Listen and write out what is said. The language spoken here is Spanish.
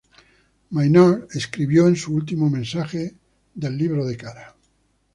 Maynard escribió en su último mensaje de Facebook.